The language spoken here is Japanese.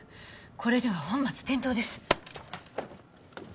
これでは本末転倒です